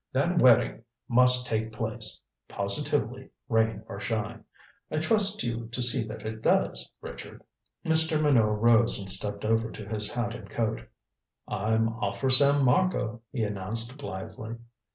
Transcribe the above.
That wedding must take place positively, rain or shine. I trust you to see that it does, Richard." Mr. Minot rose and stepped over to his hat and coat. "I'm off for San Marco," he announced blithely.